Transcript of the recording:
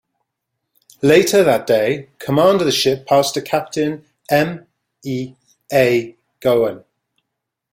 Later that day, command of the ship passed to Captain M. E. A. Gouin.